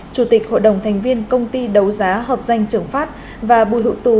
chủ tịch hội đồng thành viên công ty đầu giá hợp danh trường pháp và bùi hữu tú